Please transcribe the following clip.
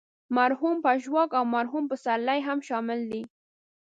مرحوم پژواک او مرحوم پسرلی هم شامل دي.